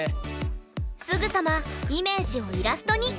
すぐさまイメージをイラストに！